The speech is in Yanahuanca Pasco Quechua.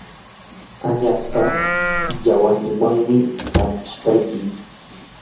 añaspa yawarninwanmi hanpishayki.